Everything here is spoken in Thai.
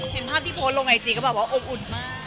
เห็นภาพที่โพสต์ลงไอจีก็แบบว่าอบอุ่นมาก